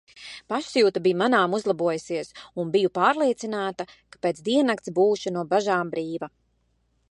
Pašsajūta bija manāmi uzlabojusies un biju pārliecināta, ka pēc diennakts būšu no bažām brīva.